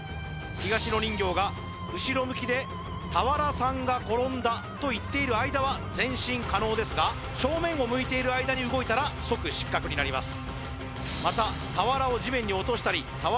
東野人形が後ろ向きでと言っている間は前進可能ですが正面を向いている間に動いたら即失格になります